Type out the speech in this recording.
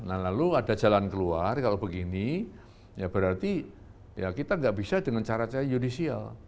nah lalu ada jalan keluar kalau begini ya berarti kita tidak bisa dengan cara saya yudisial